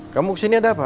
kamu kesini ada apa